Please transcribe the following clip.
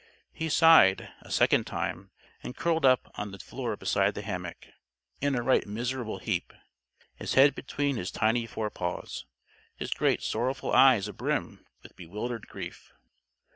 He sighed, a second time; and curled up on the floor beside the hammock, in a right miserable heap; his head between his tiny forepaws, his great sorrowful eyes abrim with bewildered grief.